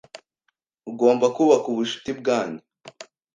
Ugomba kubaka ubucuti bwanyu